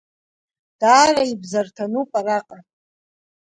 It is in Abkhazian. Даара ибзарҭануп араҟа.